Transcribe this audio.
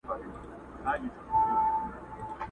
له یوه ورانه تر بل پوري به پلن وو،